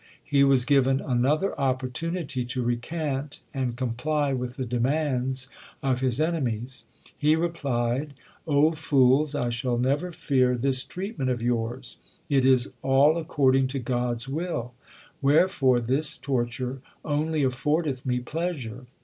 He was given another opportunity to recant and comply with the demands of his enemies. He replied, O fools, I shall never fear this treatment of yours. It is all according to God s will; wherefore this torture only affordeth me pleasure.